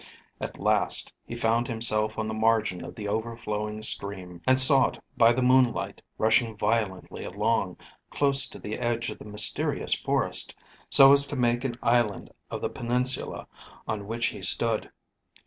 At last he found himself on the margin of the overflowing stream, and saw it by the moonlight rushing violently along, close to the edge of the mysterious forest so as to make an island of the peninsula on which he stood.